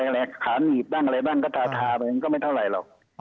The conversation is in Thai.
ตอนขาหนีบบ้างอะไรบ้างก็ทาไปก็ไม่เท่าไรหรอก